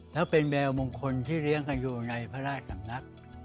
ถ้าเป็นแมวมงคลที่เลี้ยงกันอยู่ในพระราชสำนัก